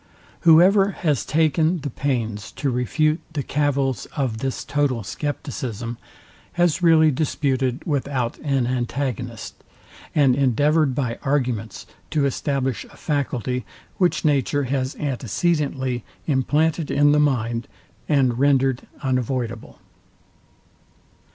Whoever has taken the pains to refute the cavils of this total scepticism, has really disputed without an antagonist, and endeavoured by arguments to establish a faculty, which nature has antecedently implanted in the mind, and rendered unavoidable.